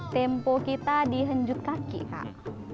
tempo kita dihanjut kaki kak